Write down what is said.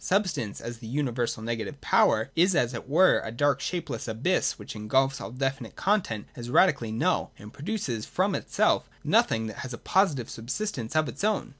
Substance, as the universal negative power, is as it were a dark shapeless abyss which engulfs all definite content as radically null, and produces from itself nothing that has a positive subsistence of its own.